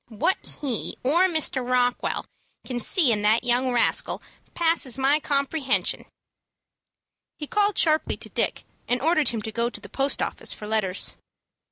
"What he or Mr. Rockwell can see in the young rascal passes my comprehension." He called sharply to Dick, and ordered him to go to the post office for letters.